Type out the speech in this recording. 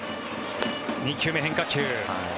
２球目、変化球。